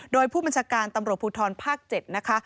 โดยผู้บัญชาการตำรวจภูทรภาค๗นะคะ